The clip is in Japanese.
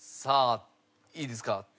さあいいですか？